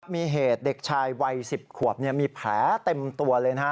มีเหตุเด็กชายวัย๑๐ขวบมีแผลเต็มตัวเลยนะฮะ